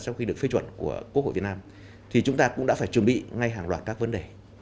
sau khi được phê chuẩn của quốc hội việt nam thì chúng ta cũng đã phải chuẩn bị ngay hàng loạt các vấn đề